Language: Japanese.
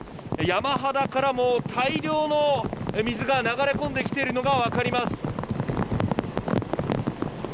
山肌からも大量の水が流れ込んできているのが分かります。